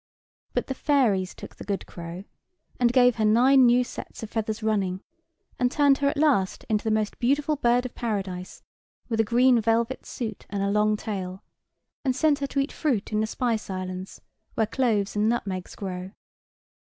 But the fairies took the good crow, and gave her nine new sets of feathers running, and turned her at last into the most beautiful bird of paradise with a green velvet suit and a long tail, and sent her to eat fruit in the Spice Islands, where cloves and nutmegs grow.